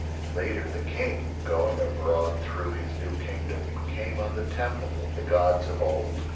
Later the King, going abroad through his new kingdom, came on the Temple of the gods of Old.